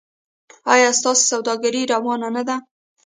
ایا ستاسو سوداګري روانه نه ده؟